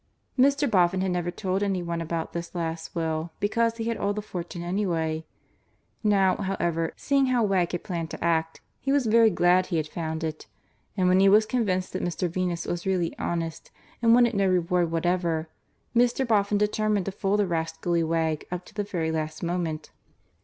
Mr. Boffin had never told any one about this last will, because he had all the fortune anyway. Now, however, seeing how Wegg had planned to act, he was very glad he had found it. And when he was convinced that Mr. Venus was really honest and wanted no reward whatever, Mr. Boffin determined to fool the rascally Wegg up to the very last moment.